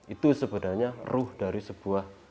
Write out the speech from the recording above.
itu sebenarnya ruh dari sebuah